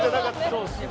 そうっすね。